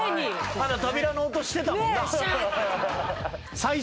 まだ扉の音してたもんな。